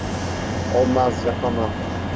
Olmaz, yapamam.